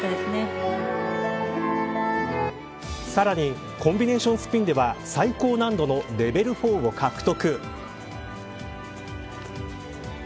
さらにコンビネーションスピンでは最高難度のレベル４を獲得。